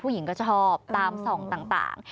ผู้หญิงก็จะชอบตามส่องต่าง